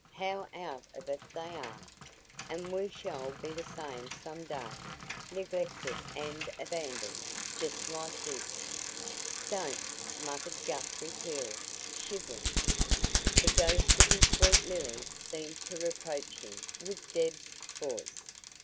How out of it they are! And we shall be the same some day neglected and abandoned, just like this." "DON'T!" muttered Guthrie Carey, shivering. The ghost of his sweet Lily seemed to reproach him with Deb's voice.